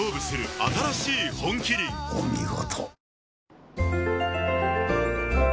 お見事。